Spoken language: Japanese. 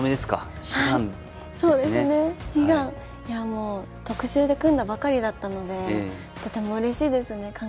いやもう特集で組んだばかりだったのでとてもうれしいですね。